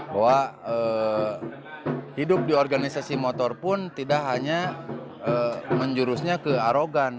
bahwa hidup di organisasi motor pun tidak hanya menjurusnya ke arogan